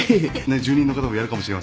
住人の方ともやるかもしれませんし。